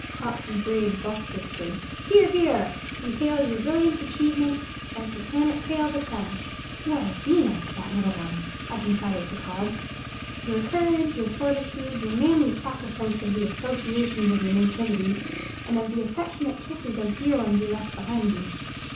(Coxey brayed boisterously, "Here, Here!") "We hail your brilliant achievement, as the planets hail the sun" ("What a Venus that middle one," I confided to Pod) "Your courage, your fortitude, your manly sacrifice of the associations of your nativity and of the affectionate kisses of dear ones left behind you.